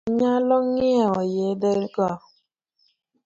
Kendo. ng'ato nyalo ng'iewo yedhego